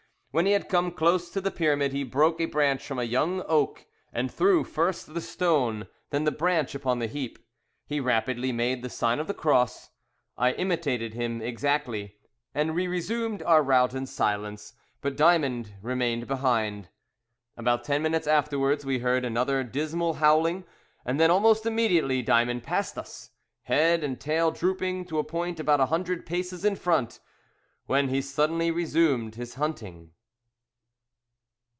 When he had come close to the pyramid he broke a branch from a young oak and threw, first, the stone and then the branch upon the heap. He rapidly made the sign of the cross. I imitated him exactly, and we resumed our route in silence, but Diamond remained behind. About ten minutes afterwards we heard another dismal howling, and then almost immediately Diamond passed us, head and tail drooping, to a point about a hundred paces in front, when he suddenly resumed his hunting.